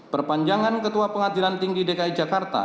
perpanjangan ketua pengadilan tinggi dki jakarta